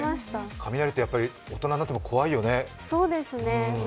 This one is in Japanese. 雷って大人になっても怖いよね。